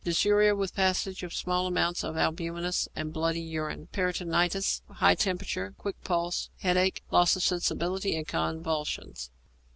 Dysuria, with passage of small amounts of albuminous and bloody urine. Peritonitis, high temperature, quick pulse, headache, loss of sensibility, and convulsions.